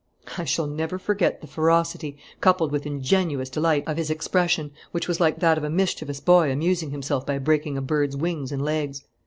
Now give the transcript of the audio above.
"I shall never forget the ferocity, coupled with ingenuous delight, of his expression, which was like that of a mischievous boy amusing himself by breaking a bird's wings and legs.